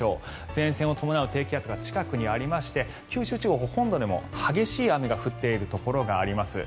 前線を伴う低気圧が近くにありまして九州地方本土でも激しい雨が降っているところがあります。